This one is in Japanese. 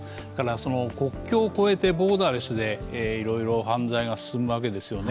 国境を越えてボーダレスでいろいろ犯罪が進むわけですよね。